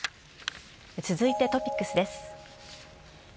続いてトピックスです。